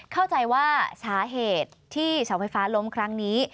เข้าใจว่าสาเหตุที่เสาไฟฟ้าล้มครั้งนี้